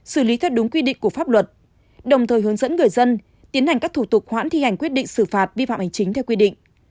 xử lý theo đúng quy định của pháp luật đồng thời hướng dẫn người dân tiến hành các thủ tục hoãn thi hành quyết định xử phạt vi phạm hành chính theo quy định